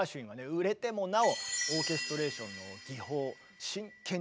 売れてもなおオーケストレーションの技法を真剣に学びたくて今度はね